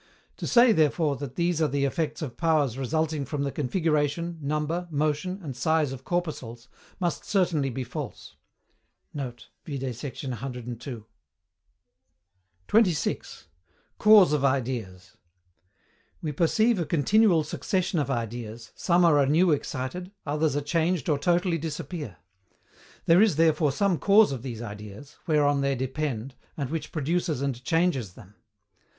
To say, therefore, that these are the effects of powers resulting from the configuration, number, motion, and size of corpuscles, must certainly be false. [Note: Vide sect. cii.] 26. CAUSE OF IDEAS. We perceive a continual succession of ideas, some are anew excited, others are changed or totally disappear. There is therefore some cause of these ideas, whereon they depend, and which produces and changes them.